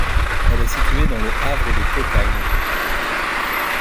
Elle est située dans le havre de Cocagne.